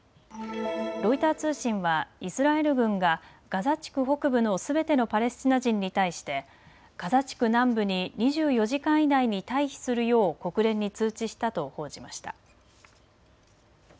ロイター通信はイスラエル軍がガザ地区北部のすべてのパレスチナ人に対してガザ地区南部に２４時間以内に退避するよう国連に通知したと報じました。